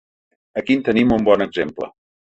Aquí en tenim un bon exemple.